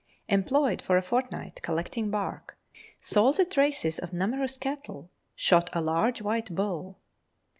Employed for a fortnight collecting bark; saw the traces of numerous cattle; shot a large white bull.